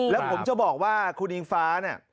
แล้วผมจะบอกว่าคุณอิงฟ้าเนี่ย